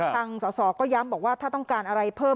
ต่างสอสาก็ย้ำว่าถ้าต้องการอะไรเพิ่ม